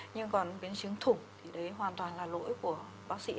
nhưng còn biến chứng thục thì đấy hoàn toàn là lỗi của bác sĩ